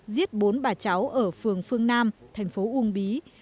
giết bốn bà cháu ở phường phương nam thành phố uông bí